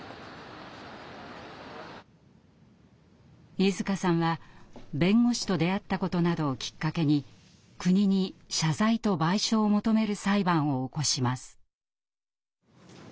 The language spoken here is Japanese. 飯塚さんは弁護士と出会ったことなどをきっかけに国に謝罪と賠償を求める裁判を起こします。